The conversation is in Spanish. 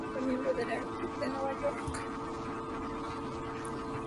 Fue miembro del Aero Club de Nueva York.